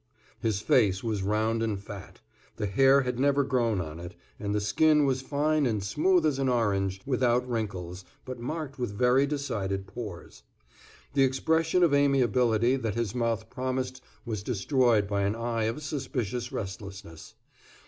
His face was round and fat; the hair had never grown on it, and the skin was fine and smooth as an orange, without wrinkles, but marked with very decided pores. The expression of amiability that his mouth promised was destroyed by an eye of suspicious restlessness.